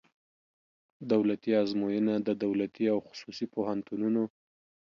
دولتي آزموینه د دولتي او خصوصي پوهنتونونو